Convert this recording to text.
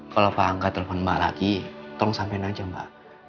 kalau pak angga telepon mbak lagi tolong sampaikan aja mbak